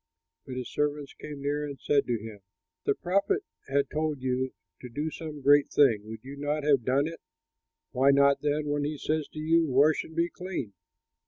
But his servants came near and said to him, "If the prophet had told you to do some great thing, would you not have done it? Why not, then, when he says to you, 'Wash and be clean!'"